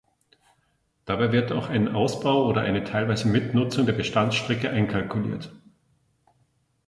Dabei wird auch ein Ausbau oder eine teilweise Mitnutzung der Bestandsstrecke einkalkuliert.